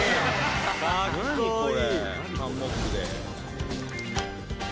ハンモックで。